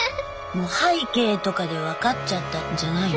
もう背景とかで分かっちゃったんじゃないの？